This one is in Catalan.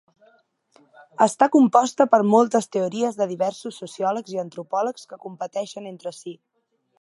Està composta per moltes teories de diversos sociòlegs i antropòlegs que competeixen entre si.